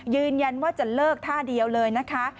ยืนยันว่าจะเลิกท่าเดียวเลยนะคะ